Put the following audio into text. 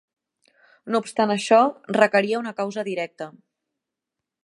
No obstant això, requeria una causa directa.